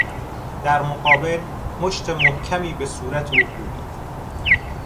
در مقابل، مشت محکمی به صورت او کوبید